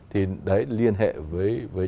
thì đấy liên hệ với